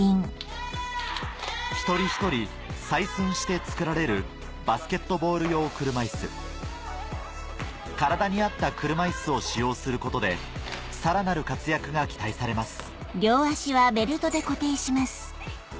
一人一人採寸して作られるバスケットボール用車いす体に合った車いすを使用することでさらなる活躍が期待されます